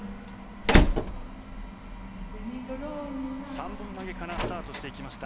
３本投げからスタートしていきました